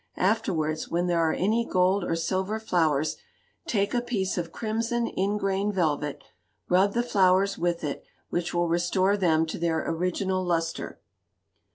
Afterwards, where there are any gold or silver flowers, take a piece of crimson ingrain velvet, rub the flowers with it, which will restore them to their original lustre.